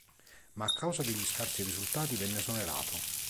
Ma a causa degli scarsi risultati venne esonerato.